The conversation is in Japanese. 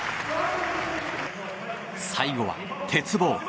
最後は鉄棒。